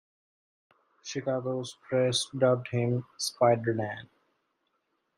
Chicago's press dubbed him "SpiderDan".